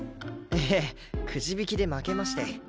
ええくじ引きで負けまして。